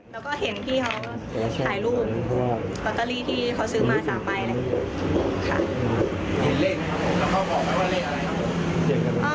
แล้วก็เห็นพี่เขาถ่ายรูปล็อตเตอรี่ที่เขาซื้อมา๓ไมล์เลย